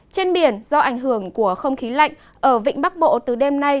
trên biển do ảnh hưởng của không khí lạnh ở vịnh bắc bộ từ đêm nay